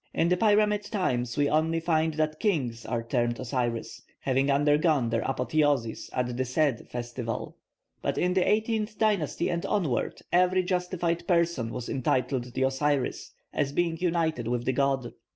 In the pyramid times we only find that kings are termed Osiris, having undergone their apotheosis at the sed festival; but in the eighteenth dynasty and onward every justified person was entitled the Osiris, as being united with the god.